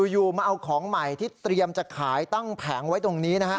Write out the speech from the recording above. อยู่มาเอาของใหม่ที่เตรียมจะขายตั้งแผงไว้ตรงนี้นะฮะ